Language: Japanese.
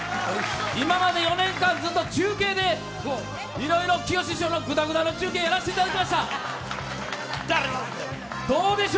今まで４年間ずっと中継で、いろいろきよし師匠のぐだぐだの中継、やらせてもらいました。